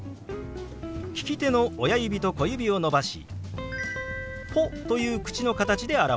利き手の親指と小指を伸ばし「ポ」という口の形で表します。